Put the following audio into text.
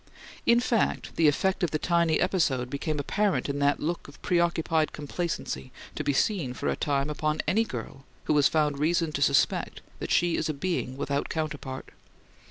In fact, the effect of the tiny episode became apparent in that look of preoccupied complacency to be seen for a time upon any girl who has found reason to suspect that she is a being without counterpart.